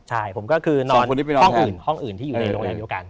ใช่ผมก็คือนอนห้องอื่นที่อยู่ในนโรงงานเยอะกัน